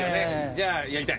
じゃあやりたい。